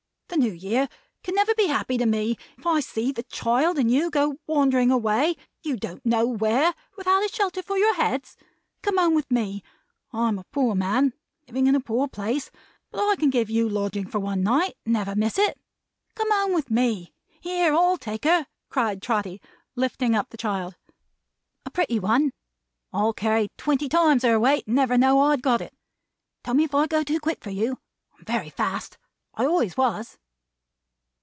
The New Year can never be happy to me, if I see the child and you go wandering away, you don't know where, without a shelter for your heads. Come home with me! I'm a poor man, living in a poor place; but I can give you lodging for one night and never miss it. Come home with me! Here! I'll take her!" cried Trotty, lifting up the child. "A pretty one! I'd carry twenty times her weight, and never know I'd got it. Tell me if I go too quick for you. I'm very fast. I always was!"